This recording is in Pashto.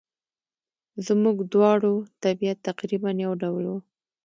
زموږ دواړو طبیعت تقریباً یو ډول وو.